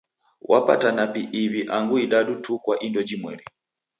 Wapata napi iw'i angu idadu tu kwa indo jimweri.